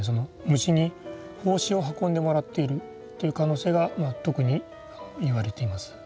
虫に胞子を運んでもらっているという可能性が特に言われています。